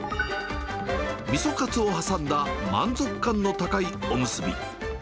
みそかつを挟んだ満足感の高いおむすび。